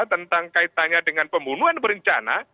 tentang kaitannya dengan pembunuhan berencana